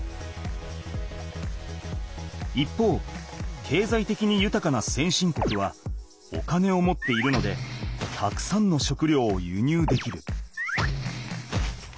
一方けいざいてきにゆたかな先進国はお金を持っているのでたくさんの食料を輸入できる。